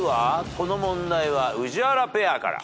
この問題は宇治原ペアから。